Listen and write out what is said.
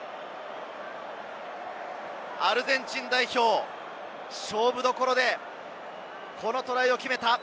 アルゼンチン代表、勝負どころでこのトライを決めた。